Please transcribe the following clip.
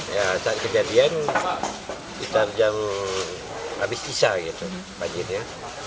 ya saat kejadian sekitar jam habis sisa gitu banjirnya